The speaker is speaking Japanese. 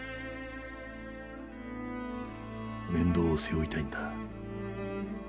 面倒を背負いたいんだ。